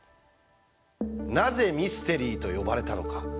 なぜミステリーと呼ばれたのか？